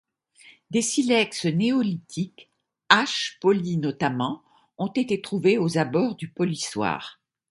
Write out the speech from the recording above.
Des silex néolithiques, haches polies notamment, ont été trouvés aux abords du polissoir.